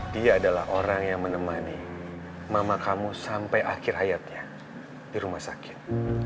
dia adalah orang yang menemani mama kamu sampai akhir hayatnya di rumah sakit